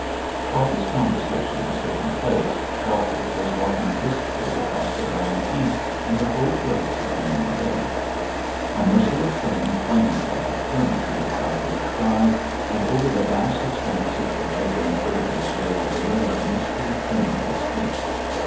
While this conversation was taking place, Baltic was walking briskly across the brown heath, in the full blaze of the noonday. A merciless sun flamed like a furnace in the cloudless sky; and over the vast expanse of dry burnt herbage lay a veil of misty, tremulous heat.